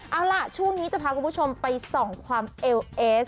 เอาล่ะช่วงนี้จะพาคุณผู้ชมไปส่องความเอลเอส